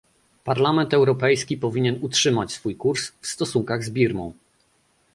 Parlament Europejski powinien utrzymać swój kurs w stosunkach z Birmą